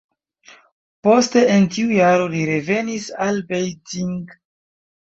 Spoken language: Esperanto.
Poste en tiu jaro li revenis al Beijing.